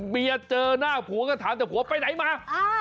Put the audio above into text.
เบียดเจอหน้าผัวก็ถามทำให้ผัวไปไหนมา